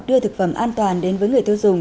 đưa thực phẩm an toàn đến với người tiêu dùng